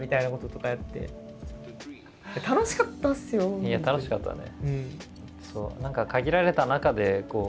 いや楽しかったね。